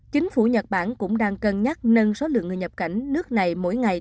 chính phủ nhật bản cũng đang cân nhắc nâng số lượng người nhập cảnh nước này mỗi ngày